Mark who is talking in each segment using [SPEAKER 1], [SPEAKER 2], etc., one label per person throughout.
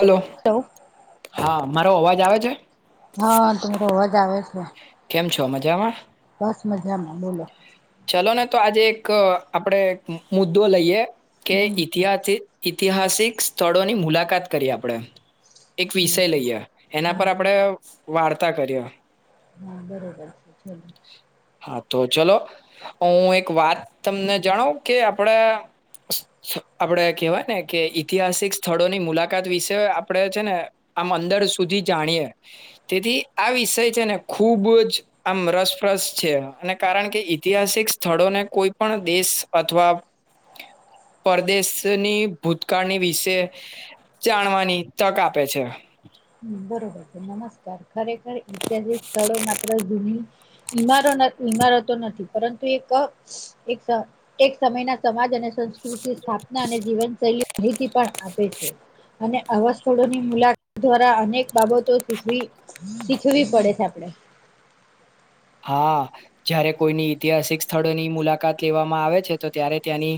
[SPEAKER 1] Hello
[SPEAKER 2] તો
[SPEAKER 1] હા. મારો અવાજ આવે છે.
[SPEAKER 2] હા તમે અવાજ આવે છે.
[SPEAKER 1] કેમ છો મજામાં?
[SPEAKER 2] બસ મજામાં બોલો.
[SPEAKER 1] ચાલ ને તો આજે એક આપડે મુદ્દો લઈએે. કે
[SPEAKER 2] હમ
[SPEAKER 1] ઇતિહાસ થી ઇત ઇતિહાસિક સ્થળોની મુલાકાત કરી આપણે. એક
[SPEAKER 2] હમ
[SPEAKER 1] વિષય લઈએ એના
[SPEAKER 2] હા
[SPEAKER 1] પર આપણેે વાર્તા કર્યો.
[SPEAKER 2] હા બરોબર છે ચલો.
[SPEAKER 1] હા તો ચલો. હું એક વાત તમને જાણાવ કે આપણે આપડે કેહેવાય ને કે ઐતિહાસિક સ્થળોની મુલાકાત વિષ આપડણે છે, ને આમ અંદર સુધી જાણીયએ તેથી આ વિષય છે, ને ખુબ જ આમ રસપ્રસ છે અને કારણ કે ઐતિહાસિક સ્થળોને કોઈ પણ દેશ અથવા પરદેશની ભૂતકાળની વિશે જાણવાની તક આપે છે.
[SPEAKER 2] બરોબર છે. નમસ્કાર ખરેખર ઐતિહાસિક સ્થળો માત્ર જૂની ઈ ઈમારતો નથી પરંતુ એક એક સમય ના સમાજ અને સંસ્કૃતિ સ્થાપના અને જીવનશૈલી માહિતી પણ આપે છે. અને આવા સ્થળોની મુલાકાત દ્વારા અનેક બાબતો શીખવી-શીખવ પડે છે આપણે
[SPEAKER 1] હા જારે કોઈની ઐતિહાસિક સ્થળોની મુલાકાત લેવામાં આવે છે, તો ત્યારે ત્યાંની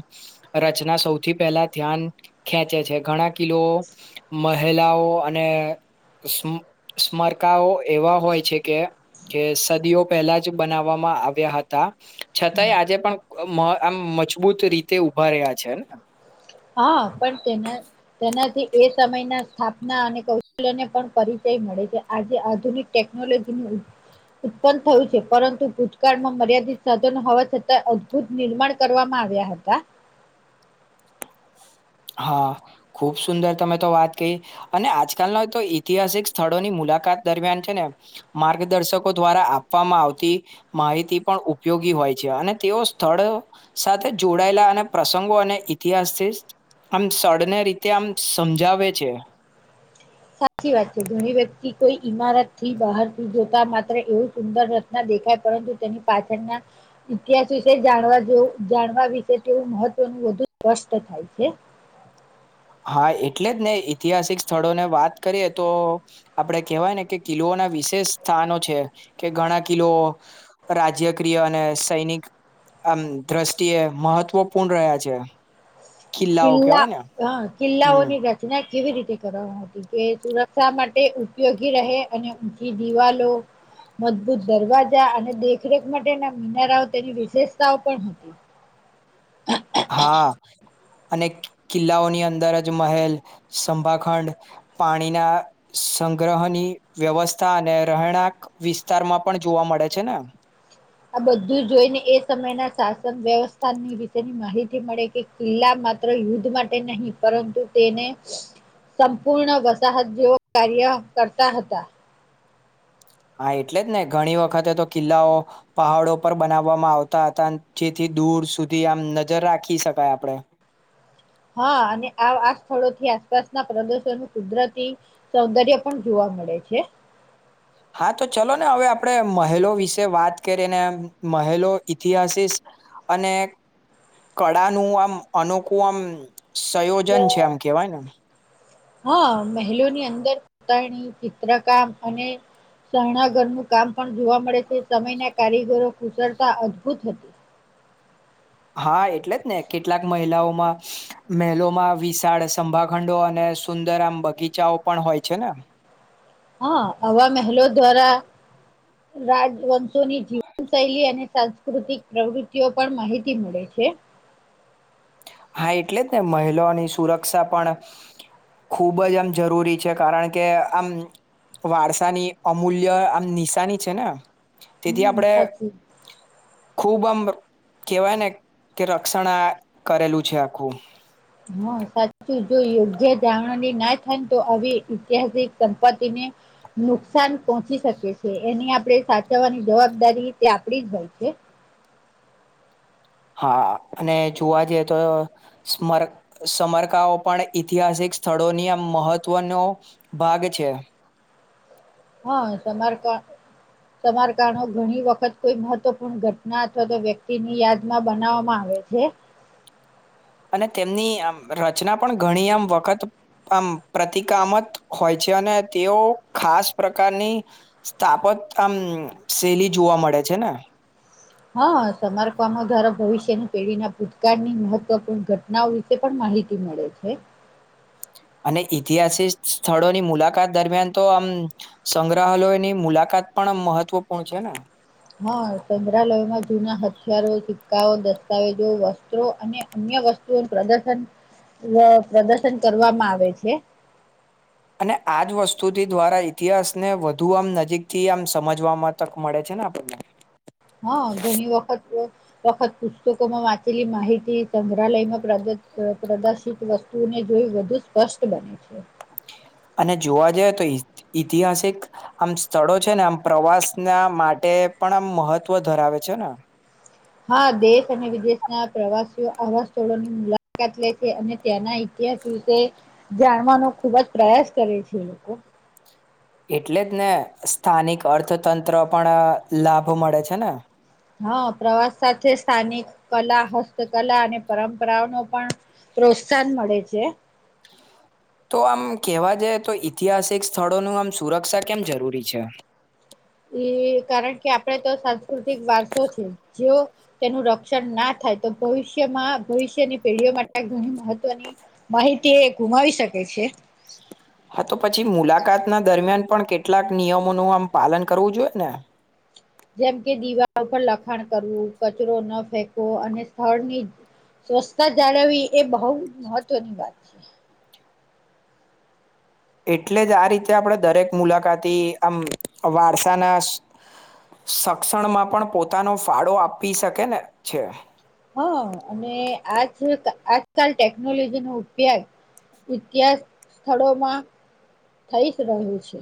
[SPEAKER 1] રચના સૌથી પહેલા ધ્યાન ખેંચે છે. ઘણા કિલો મહિલાઓ અને સ્મરકાઓ એવા હોય છે, કે જે સદીઓ પહેલા જ બનાવવામાં આવ્યા હતા. છતાંય આજે પણ આમ મજબૂત રીતે ઉભા રહ્યા છે ને-
[SPEAKER 2] હા પણ તેના તેનાથી એ સમયના સ્થાપના અને કૌશલ્યને પણ પરિચય મળે છે. આજે આધુનિક ટેકનોલોજીનું ઉત્પન્ન થયું છે પરંતુ ભૂતકાળમાં મર્યાદિત સાધનો હોવા છતાં અદભુત નિર્માણ કરવામાં આવ્યા હતા.
[SPEAKER 1] હા ખુબ સુંદર તમે તો વાત કહી અને આજકાલના તો ઈતિહાસિક સ્થળોની મુલાકાત દરમિયાન છે, ને માર્ગદર્શકો દ્વારા આપવામાં આવતી માહિતી પણ ઉપયોગી હોય છે અને તેઓ સ્થળ સાથે જોડાયેલા અને પ્રસંગો અને ઇતિહાસથી આમ સળને રીતે આમ સમજાવે છે.
[SPEAKER 2] સાચી વાત છે ઘણી વ્યક્તિ કોઈ ઈમારતથી બહાર થી જોતા માત્ર એવું સુંદર રચના દેખાય પરંતુ તેની પાછળના ઇતિહાસ વિશે જાણવાવ જાણવા વિશે તેવું મહત્વનું વધુ સ્પષ્ટ થાય છે.
[SPEAKER 1] હા એટલે જ ને ઐતિહાસિક સ્થળોને વાત કરીએ તો આપડે કેહેવાય ને કે કિલ્લોના વિશેષ સ્થાનો છે, કે ઘણા કિલો રાજ્યક્રિય અને સૈનિક આમ દ્રષ્ટિએ મહત્વપૂર્ણ રહ્યા છે. કિલ્લાઓ
[SPEAKER 2] કિલ્લા
[SPEAKER 1] કેવાય ને
[SPEAKER 2] હ
[SPEAKER 1] હમ
[SPEAKER 2] કિલ્લાઓની રચના કેવી રીતે કરવાવામાં હતી કે સુરક્ષા માટે ઉપયોગી રહે અને ઊંચી દિવાલો મજબૂત દરવાજા અને દેખરેખ માટેના મિનારાઓ તેની વિશેષતાઓ પણ
[SPEAKER 1] હા અને કિલ્લાઓની અંદર જ મહેલ, સંભાખંડ, પાણીના સંગ્રહની વ્યવસ્થા અને રહેણાંક વિસ્તારમાં પણ જોવા મળે છે ને.
[SPEAKER 2] આ બધું જોઈને એ સમયના શાસન વ્યવસ્થાની વિશેની માહિતી મળે કે કિલ્લા માત્ર યુદ્ધ માટે નહીં, પરંતુ તેને સંપૂર્ણ વસાહત જેવ કાર્ય કરતા હતા.
[SPEAKER 1] હા એટલે જ ને ઘણી વખતે તો કિલ્લાઓ પહાડો પર બનાવવામાં આવતા હતા જેથી દૂર સુધી આમ નજર રાખી શકાય આપડે.
[SPEAKER 2] હા અને આ આ સ્થળોથી આસપાસના પ્રદર્શનું કુદરતી સૌંદર્ય પણ જોવા મળે છે.
[SPEAKER 1] હા તો ચલો ને હવે આપડણે મહેલો વિશે વાત કરીએ ને મહેલો ઇતિહાસીસ અને કળાનું આમ અનોખું આમ સંયોજન છે એમ કેવાય ને
[SPEAKER 2] હા મહેલોની અંદરતાણી ચિત્રકામ અને શરણાગરનું કામ પણ જોવા મળે છે. સમયના કારીગરો કુશળતા અદભુત
[SPEAKER 1] હા એટલે જ ને કેટલાક મહિલાઓમાં મેલોમાં વિશાળ સંભાખંડો અને સુંદર આમ બગીચાઓ પણ હોય છે ને
[SPEAKER 2] હા આવા મહેલો દ્વારા રાજવંશોની જીવન શૈલી અને સાંસ્કૃતિક પ્રવૃતિઓ પણ માહિતી મળે છે.
[SPEAKER 1] હા એટલે જ ને મહિલાઓની સુરક્ષા પણ ખુબ જ આમ જરૂરી છે કારણ કે આમ વારસાની અમૂલ્ય આમ નિશાની છે ને તેથી
[SPEAKER 2] હમ
[SPEAKER 1] આપડે
[SPEAKER 2] સાચી
[SPEAKER 1] ખુબ આમ કેવાય ને કે રક્ષણા કરેલું છે આખું
[SPEAKER 2] હા સાચું જો યોગ્ય જાવણી ના થાય તો આવી ઐતિહાસિક સંપત્તિને નુકસાન પહોંચી શકે છે એની આપણે સાચવવાની જવાબદારી તે આપડી જ હોય છે.
[SPEAKER 1] હા અને જોવા જઈએ તો સ્મર સમમરકાઓ પણ ઐતિહાસિક સ્થળોની આમ મહત્વનો ભાગ છે.
[SPEAKER 2] હા સમારકા સમારકાડો ઘણી વખત કોઈ મહત્વપૂર્ણ ઘટના અથવા તો તો વ્યક્તિની યાદમાં બનાવવામાં આવે છે.
[SPEAKER 1] અને તેમની આમ રચના પણ ઘણી આમ વખત આમ પ્રતિકામત હોય છે અને તેઓ ખાસ પ્રકારની સ્થાપત આમ નુ શૈલી જોવા મળે છે ને.
[SPEAKER 2] હા સમારકામ દ્વારા ભવિષ્યની પેઢીના ભૂતકાળની મહત્વપૂર્ણ ઘટનાઓ વિશે પણ માહિતી મળે છે.
[SPEAKER 1] અને ઈતિહાસિક સ્થળોની મુલાકાત દરમિયાન તો આમ મ સંગ્રહાલયની મુલાકાત પણ આમ મહત્વપૂર્ણ છે ને.
[SPEAKER 2] હા સંગ્રહાલયોમાં જૂના હથિયારો સિક્કાઓ દસ્તાવેજો વસ્ત્રો અને અન્ય વસ્તુઓ પ્રદર્શન વહ પ્રદર્શન કરવામાં આવે છે.
[SPEAKER 1] અને આજ વસ્તુથી દ્વારા ઈતિહાસને વધુ આમ નજીકથી આમ સમજવામાં તક મળે છે ને આપણને.
[SPEAKER 2] હા ઘણી વખત નો વખત પુસ્તકોમાં વાંચેલી માહિતી સંગ્રહાલયમાં પ્રદુષ પ્રદુષિત વસ્તુઓને જોઈ વધુ સ્પષ્ટ બને છે.
[SPEAKER 1] અને જોવા જઈએ તો ઐતિ ઐતિહાસિક આમ સ્થળો છે ને આમ પ્રવાસના માટે પણ આમ મહત્વ ધરાવે છે ને.
[SPEAKER 2] હા દેશ અને વિદેશના પ્રવાસીઓ આવા સ્થળોની મુલાકાત લે છે અને ત્યાંના ઇતિહાસ વિશે જાણવાનો ખુબજ પ્રયાસ કરે છે લોકો.
[SPEAKER 1] એટલે જ ને સ્થાનિક અર્થતંત્ર પણ લાભ મળે છે ને.
[SPEAKER 2] હા પ્રવાસ સાથે સ્થાનિક કલા હસ્તકલા અને પરંપરાઓ ન પણ પ્રોત્સાહન મળે છે.
[SPEAKER 1] તો આમ કેવા જાય તો ઐતિહાસિક સ્થળોનું આમ સુરક્ષા કેમ જરૂરી છે.
[SPEAKER 2] એ કારણ કે આપણે તો સાંસ્કૃતિક વારસો છે જો તેનું રક્ષણ ના થાય તો ભવિષ્યમાં ભવિષ્યની પેઢીઓ માટે ઘણી મહત્વની માહિતી એ ગુમાવી શકે છે.
[SPEAKER 1] હા તો પછી મુલાકાત ના દરમિયાન પણ કેટલાક નિયમોનું આમ પાલન કરવું જોઈએ ને.
[SPEAKER 2] જેમ કે દીવાલ ઉપર લખાણ કરવું કચરો ન ફેંકવો અને સ્થળની સ્વચ્છતા જાળવવી એ બહુ મહત્વની વાત છે.
[SPEAKER 1] એટલે જ આ રીતે આપણે દરેક મુલાકાતી આમ વારસાના સક્ષ સક્ષણમાં પણ પોતાનો ફાળો આપી શકે ને છે.
[SPEAKER 2] હા અને આજ આજકાલ ટેકનોલોજી નો ઉપયોગ ઈતિહા ઇતિહાસ સ્થળોમાં થઈ જ રહ્યો છે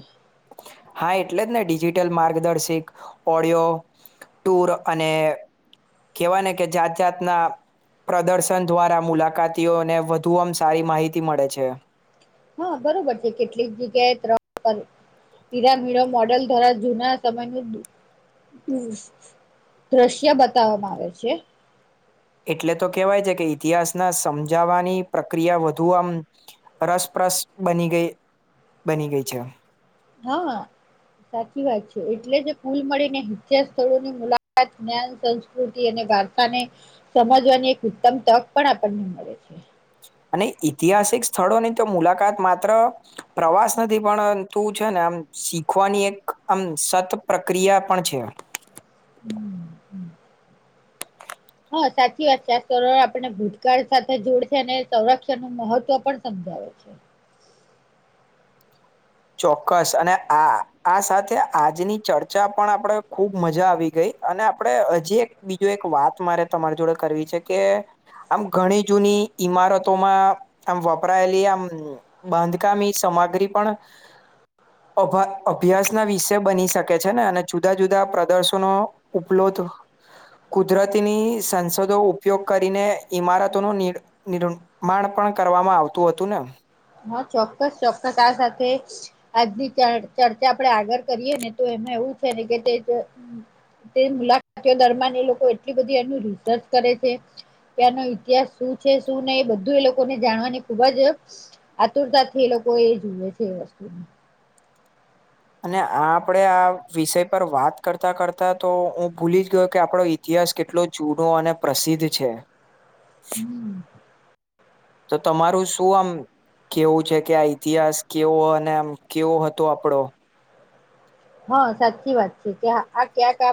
[SPEAKER 1] હા એટલે જ ને ડિજિટલ માર્ગદર્શિક ઓડિયો ટુર અને કેહેવાય ને કે જાત જાતના પ્રદર્શન દ્વારા મુલાકાતીઓને વધુ આમ સારી માહિતી મળે છે
[SPEAKER 2] હા બરોબર છે કેટલીક જગ્યાએ ત્રણીરામીળ મોડલ દ્વારા જૂના સમયનું દ્રશ્ય બતાવવામાં આવે છે
[SPEAKER 1] એટલે તો કેહેવાય છે કે ઈતિહાસના સમજાવાની પ્રક્રિયા વધુ આમ રસપ્રસ બની ગઈ બની ગઈ છે
[SPEAKER 2] હા સાચી વાત છે એટલે જે કુલ મળીને સ્થળોની મુલાકાત જ્ઞાન સંસ્કૃતિ અને વાર્તા ને સમજવાની એક ઉત્તમ તક પણ આપણને મળે છે
[SPEAKER 1] અને ઐતિહાસિક સ્થળોની તો મુલાકાત માત્ર પ્રવાસ નથી પરંતુ છે ને આમ શીખવાની એક આમ સત પ્રક્રિયા પણ છે
[SPEAKER 2] હમ હમ હા સાચી વાત છે આ સ આપણે ભૂતકાળ સાથે જોડશે અને સંરક્ષણ ન મહત્વ પણ સમજાવે છે
[SPEAKER 1] ચોક્કસ અને આ આ સાથે આજની ચર્ચા પણ આપણે ખુબ મજા આવી ગઈ અને આપણે હજી એક બીજો એક વાત મારે તમારી જોડે કરવી છે કે આમ ઘણી જૂની ઈમારતોમાં આમ વપરાયેલી આમ બાંધકામી સામગ્રી પણ અભ અભ્યાસ ના વિષ બની શકે છે ને અને અભા અભ્યાસ વિષે બની શકે છે ને અને જુદા જુદા પ્રદર્શનો ઉપલોધ કુદરતીની સંસદો ઉપયોગ કરીને ઈમારતોનું નિ નિ નિર્માણ પણ કરવામાં આવતું હતું ને
[SPEAKER 2] હા ચોક્કસ ચોક્કસ આ સાથે આજની ચર્ચા આપણે આગળ કરીએ ને તો એમાં એવું છે ને કે તે જ તે મુલાકાતીઓ દરમિયાન એ લોકો એટલી બધી એનું રિસર્ચ કરે છે કે આનો ઇતિહાસ શું છે શું નહી બધું એ લોકોને જાણવાની ખુબ જ આતુરતાથી એ લોકો એ જુએ છે એ વસ્તુ
[SPEAKER 1] અને આ આપણેે આ વિષય પર વાત કરતા કરતા તો હું ભૂલી જ ગયો કે આપડો ઇતિહાસ કેટલો જૂનો અને પ્રસિદ્ધ છે
[SPEAKER 2] હમ
[SPEAKER 1] તો તમારું શું આમ કેવું છે કે આ ઇતિહાસ કેવો અને આમ કેવો હતો આપડો
[SPEAKER 2] હા સાચી વાત છે કે આ ક્યાંક આ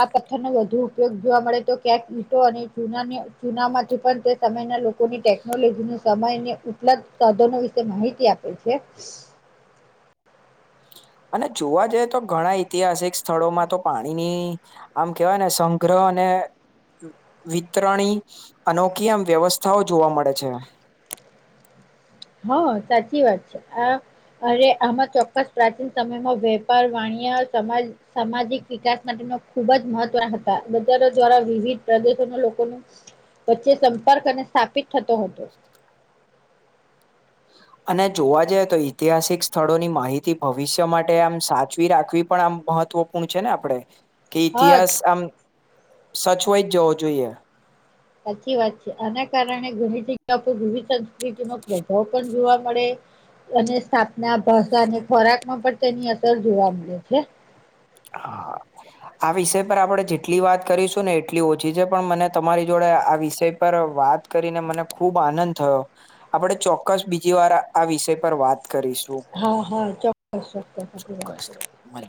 [SPEAKER 2] આ પથ્થરનો વધુ ઉપયોગ જોવા મળે તો ક્યાંક ઈટો અને ચૂનાની ચુનામાંથી પણ તે સમયના લોકોની ટેકનોલોજી સમયને ઉપલબ્ધ સાધનો વિશે માહિતી આપે છે
[SPEAKER 1] અને જોવા જઈ તો ઘણા ઐતિહાસિક સ્થળોમાં તો પાણીની આમ કેહેવાય ને સંગ્રહ અને વિતરણી અનોખી આમ વ્યવસ્થાઓ જોવા મળે છે
[SPEAKER 2] હા સાચી વાત છે આ અરે આમાં ચોક્કસ પ્રાચીન સમયમાં વેપાર વાણિયા સમાજ સામાજિક વિકાસ માટેનો ખૂબ જ મહત્વ હતા બજારો દ્વારા વિવિધ પ્રદેશોના લોકો વચ્ચે સંપર્ક અને સ્થાપિત થતો હતો
[SPEAKER 1] અને જોવા જઈએ તો ઐતિહાસિક સ્થળોની માહિતી ભવિષ્ય માટે આમ સાચવી રાખવી પણ આમ મહત્વપૂર્ણ છે ને આપડણે કે
[SPEAKER 2] હા
[SPEAKER 1] ઇતિહાસ આમ સચવાઈ જેવો જોઈએ
[SPEAKER 2] સાચી વાત છે આના કારણે ઘણી જગ્યા પર ગુવી સંસ્કૃતિ નોપ્રભાવ પણ જોવા મળે અને સ્થાપના ભાષા અને ખોરાક માં પણ તેની અસર જોવા મળે છે
[SPEAKER 1] હા આ વિષય પર આપણેે જેટલી વાત કરીશું ને એટલી ઓછી છે પણ મને તમારી જોડે આ વિષય પર વાત કરીને મને ખુબ આનંદ થયો આપડે ચોક્કસ બીજી વાર આ વિષય પર વાત કરીશું.
[SPEAKER 2] હા હા ચોક્કસત્ય વાત
[SPEAKER 1] ચોક્કસ
[SPEAKER 2] કરી
[SPEAKER 1] મળીએ.